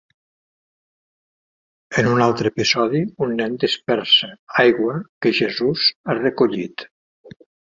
En un altre episodi, un nen dispersa aigua que Jesus ha recollit.